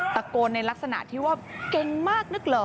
ตะโกนในลักษณะที่ว่าเก่งมากนึกเหรอ